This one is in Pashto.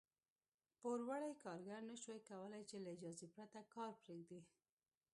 پوروړي کارګر نه شوای کولای چې له اجازې پرته کار پرېږدي.